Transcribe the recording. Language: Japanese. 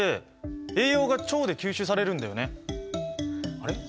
あれ？